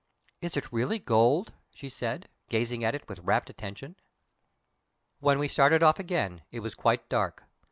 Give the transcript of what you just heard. "Is it really gold?" she said, gazing at it with rapt attention. When we started off again, it was quite dark.